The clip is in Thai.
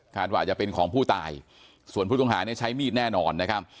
ว่าอาจจะเป็นของผู้ตายส่วนผู้ต้องหาเนี่ยใช้มีดแน่นอนนะครับ